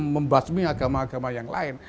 membasmi agama agama yang lain